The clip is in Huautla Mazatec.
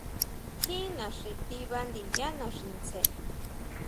Tjín naxí tiba ndiyá naxi tsjen.